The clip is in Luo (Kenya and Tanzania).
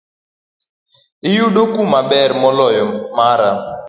Iyudo kama ber moloyo mara.